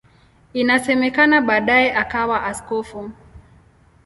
Inasemekana baadaye akawa askofu.